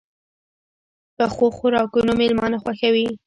پخو خوراکونو مېلمانه خوښوي